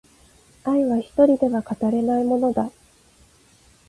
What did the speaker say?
愛は一人では語れないものだ